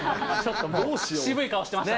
渋い顔してました。